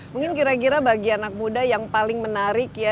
mungkin kira kira bagi anak muda yang paling menarik ya